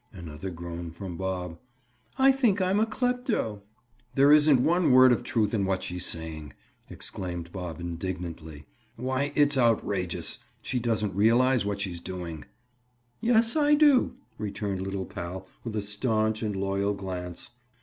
Another groan from Bob. "I think I'm a clepto." "There isn't one word of truth in what she's saying," exclaimed Bob indignantly. "Why, it's outrageous. She doesn't realize what she's doing." "Yes, I do," returned little pal with a stanch and loyal glance.